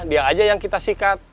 dia aja yang kita sikat